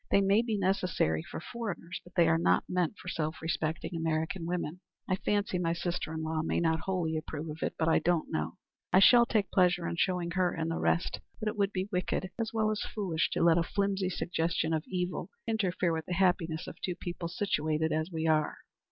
They may be necessary for foreigners; but they are not meant for self respecting American women. I fancy my sister in law may not wholly approve of it, but I don't know. I shall take pleasure in showing her and the rest that it would be wicked as well as foolish to let a flimsy suggestion of evil interfere with the happiness of two people situated as we are."